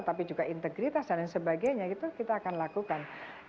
tapi juga integritas dan sebagainya kita akan lakukan